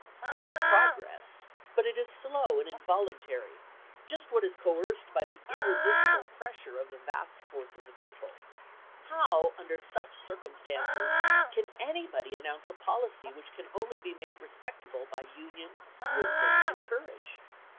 There is progress, but it is Chase slow and involuntary ; just what is coerced by the Jj^eavwt," irresistible pressure of the vast force of the people. Warden. How, uudcr such circumstauces, can anybody an sahnon°p. uouucc a poUcy wMch can only be made respecta 5!^ 562.' ble by union, wisdom, and courage